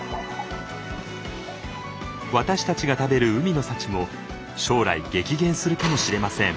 私たちが食べる海の幸も将来激減するかもしれません。